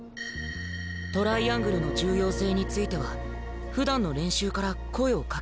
トライアングルの重要性についてはふだんの練習から声をかけ合ってた。